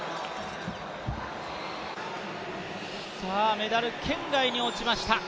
メダル圏外に落ちました。